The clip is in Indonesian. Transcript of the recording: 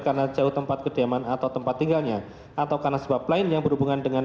karena jauh tempat kediaman atau tempat tinggalnya atau karena sebab lain yang berhubungan dengan